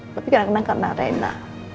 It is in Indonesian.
tapi kadang kadang karena arena